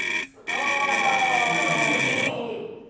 最後に決めポーズを。